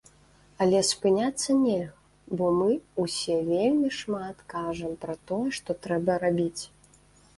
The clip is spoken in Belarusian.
Але спыняцца нельга, бо мы ўсе вельмі шмат кажам пра тое, што трэба рабіць.